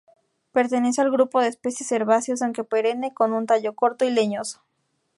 Pertenece al grupo de especies herbáceas, aunque perenne, con un tallo corto y leñoso.